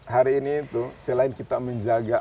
hari ini itu selain kita menjaga alamnya juga kita